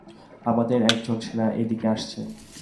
আমাদের একজন সেনা এদিকে আসছে।